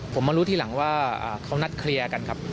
ผมมารู้ทีหลังว่าเขานัดเคลียร์กันครับ